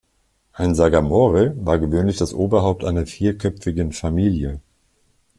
Ein Sagamore war gewöhnlich das Oberhaupt einer vielköpfigen Familie.